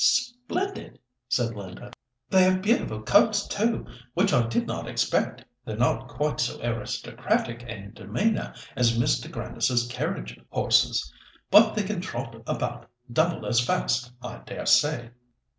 "Splendid!" said Linda. "They have beautiful coats too, which I did not expect. They're not quite so aristocratic in demeanour as Mr. Grandison's carriage horses, but they can trot about double as fast, I daresay."